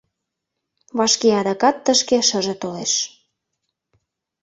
Вашке адакат тышке шыже толеш.